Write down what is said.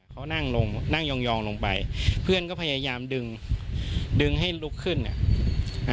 เขานั่งลงนั่งยองยองลงไปเพื่อนก็พยายามดึงดึงให้ลุกขึ้นอ่ะอ่า